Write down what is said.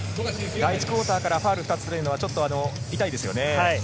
第１クオーターからファウル２つというのは痛いですね。